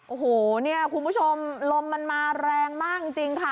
โอ้โหเนี่ยคุณผู้ชมลมมันมาแรงมากจริงค่ะ